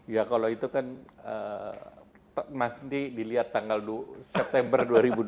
ya kalau itu kan mas d dilihat tanggal september dua ribu dua puluh